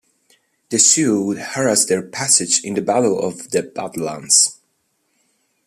The Sioux would harass their passage in the Battle of the Badlands.